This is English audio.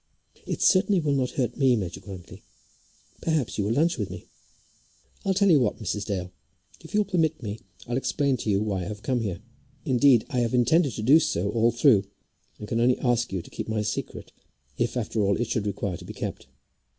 "It certainly will not hurt me, Major Grantly. Perhaps you will lunch with me?" "I'll tell you what, Mrs. Dale; if you'll permit me, I'll explain to you why I have come here. Indeed, I have intended to do so all through, and I can only ask you to keep my secret, if after all it should require to be kept."